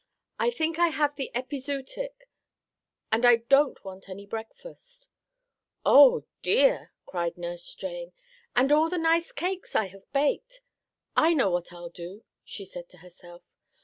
"I think I have the epizootic, and I don't want any breakfast." "Oh, dear!" cried Nurse Jane. "And all the nice cakes I have baked. I know what I'll do," she said to herself.